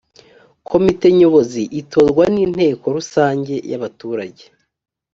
komite nyobozi itorwa n’inteko rusange y’abaturage